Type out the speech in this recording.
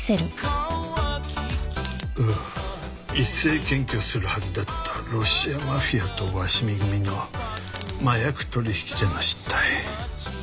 一斉検挙するはずだったロシアマフィアと鷲見組の麻薬取引での失態。